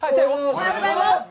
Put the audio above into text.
おはようございます